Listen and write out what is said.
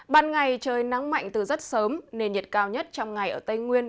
ban ngày trời nắng mạnh từ rất sớm nền nhiệt cao nhất trong ngày ở tây nguyên